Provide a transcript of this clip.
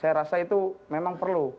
saya rasa itu memang perlu